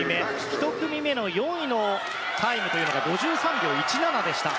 １組目の４位のタイムというのが５３秒１７でした。